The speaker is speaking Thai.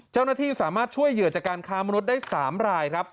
เจ้าหน้าที่สามารถช่วยเหยื่อจากการค้ามนุษย์ได้๓รายครับ